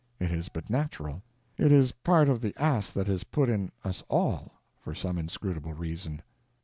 It is but natural. It is part of the ass that is put in us all, for some inscrutable reason.